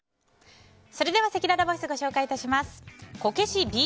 それではせきららボイスご紹介致します。